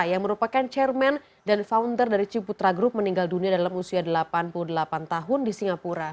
yang merupakan chairman dan founder dari ciputra group meninggal dunia dalam usia delapan puluh delapan tahun di singapura